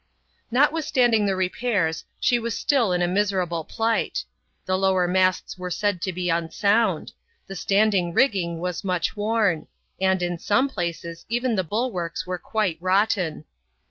Notwithstanding the repairs, she was still in a miserable plight. The lower masts were said to be unsound; the standing rigging was much worn; and, in some places, even the bulwarks were quite rotten.